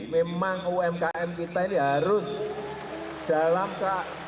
memang umkm kita ini harus dalam